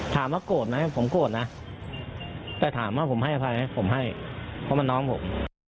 ถามว่าโกรธไหมผมโกรธนะแต่ถามว่าผมให้อภัยไหมผมให้เพราะมันน้องผม